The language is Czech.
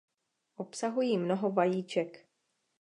Obsahují mnoho vajíček.